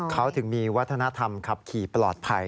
เขาถึงมีวัฒนธรรมขับขี่ปลอดภัย